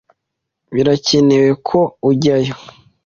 Birakenewe ko ujyayo.